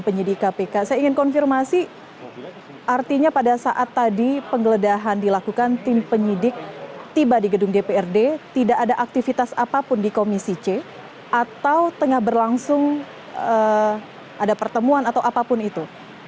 penyidik kpk saya ingin konfirmasi artinya pada saat tadi penggeledahan dilakukan tim penyidik tiba di gedung dprd tidak ada aktivitas apapun di komisi c atau tengah berlangsung ada pertemuan atau apapun itu